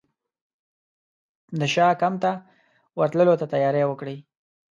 د شاه کمپ ته ورتللو ته تیاري وکړي.